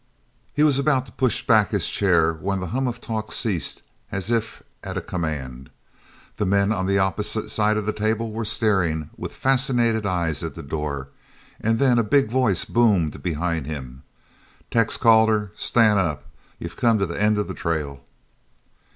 He was about to push back his chair when the hum of talk ceased as if at a command. The men on the opposite side of the table were staring with fascinated eyes at the door, and then a big voice boomed behind him: "Tex Calder, stan' up. You've come to the end of the trail!"